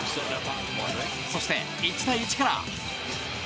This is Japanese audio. そして、１対１から。